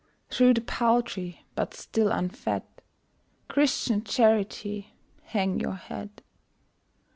Through the Poultry but still unfed Christian Charity, hang your head!